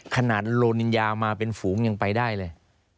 ขนาดโลนินยามาเป็นฝูงยังไปได้เลย